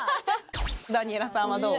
ダニエラさんはどう？